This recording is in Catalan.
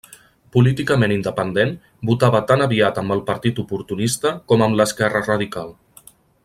Políticament independent, votava tan aviat amb el partit oportunista com amb l'esquerra radical.